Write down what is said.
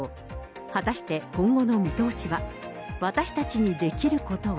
果たして今後の見通しは。